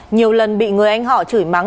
nhiều lần bị người anh họ chửi mắng